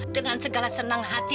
dengan segala senang hati